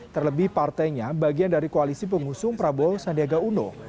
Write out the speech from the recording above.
terlebih partainya bagian dari koalisi pengusung prabowo sandiaga uno